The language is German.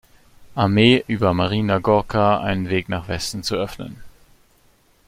Armee über Marina Gorka einen Weg nach Westen zu öffnen.